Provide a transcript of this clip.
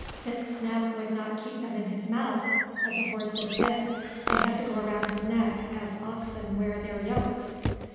Since Snap would not keep them in his mouth, as a horse does a bit, they had to go around his neck, as oxen wear their yokes.